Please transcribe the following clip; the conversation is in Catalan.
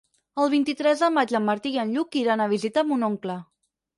El vint-i-tres de maig en Martí i en Lluc iran a visitar mon oncle.